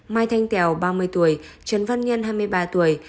mai thanh tèo ba mươi tuổi trần văn nhân hai mươi ba tuổi